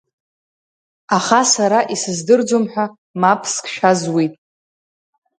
Аха сара исыздырӡом ҳәа, мап скшәа зуит.